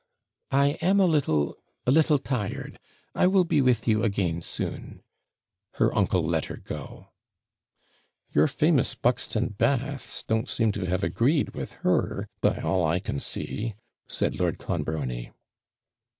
'I am a little a little tired. I will be with you again soon.' Her uncle let her go. 'Your famous Buxton baths don't seem to have agreed with her, by all I can see,' said Lord Clonbrony.